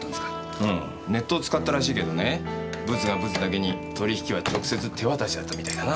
うんネットを使ったらしいけどねブツがブツだけに取り引きは直接手渡しだったみたいだな。